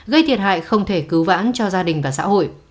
gây thiệt hại không thể cứu vãn cho gia đình và xã hội